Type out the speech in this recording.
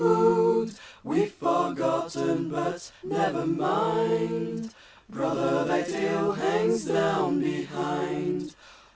We've forgotten, but never mind, Brother, thy tail hangs down behind!